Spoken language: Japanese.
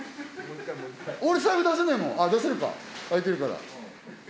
俺財布出せねえもんあっ出せるか開いてるから。